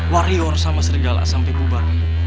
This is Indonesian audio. warior sama serigala sampai bubang